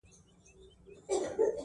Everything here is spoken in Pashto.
مار ژوندی ورڅخه ولاړی گړندی سو.!